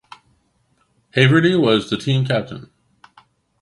Haverty was the team captain.